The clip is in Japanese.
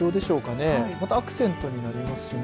アクセントになりますね。